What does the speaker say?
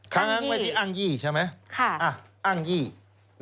ข้างอ้างไว้อ้างยี่ใช่ไหม